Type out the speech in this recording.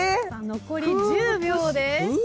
残り１０秒です。